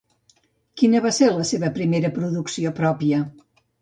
Quina va ser la seva primera producció pròpia?